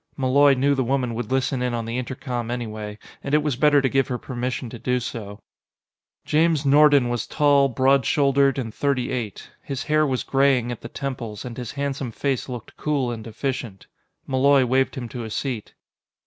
Malloy knew the woman would listen in on the intercom anyway, and it was better to give her permission to do so. James Nordon was tall, broad shouldered, and thirty eight. His hair was graying at the temples, and his handsome face looked cool and efficient. Malloy waved him to a seat.